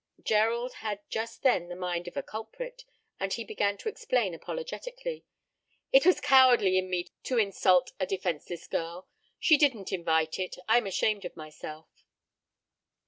Gerald had just then the mind of a culprit, and he began to explain apologetically: "It was cowardly in me to insult a defenseless girl. She didn't invite it. I am ashamed of myself."